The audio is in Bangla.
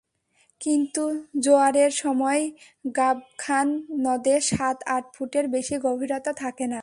কিন্তু জোয়ারের সময় গাবখান নদে সাত-আট ফুটের বেশি গভীরতা থাকে না।